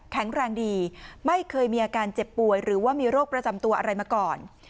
แข็งแรงดีไม่เคยมีอาการเจ็บป่วยหรือว่ามีโรคประจำตัวอะไรมาก่อน